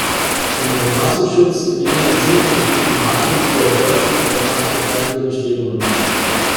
Unter Verfassungsschutz im engeren Sinne versteht man Maßnahmen zur Erforschung verfassungsfeindlicher Bestrebungen.